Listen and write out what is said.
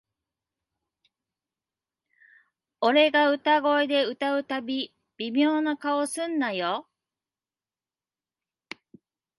俺が裏声で歌うたび、微妙な顔すんなよ